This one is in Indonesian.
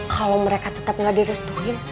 kalau mereka tetap gak direstuin